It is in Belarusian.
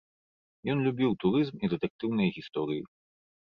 Ён любіў турызм і дэтэктыўныя гісторыі.